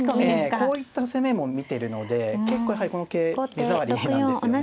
こういった攻めも見てるので結構やはりこの桂目障りなんですよね